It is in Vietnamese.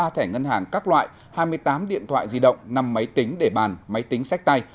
một mươi thẻ ngân hàng các loại hai mươi tám điện thoại di động năm máy tính để bàn máy tính sách tay